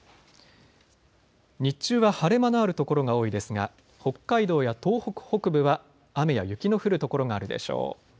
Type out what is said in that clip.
日中は晴れ間のある所が多いですが北海道や東北北部は雨や雪の降る所があるでしょう。